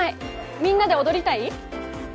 みんなで踊りたい？